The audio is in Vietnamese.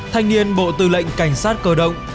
thanh niên bộ tư lệnh cảnh sát cơ động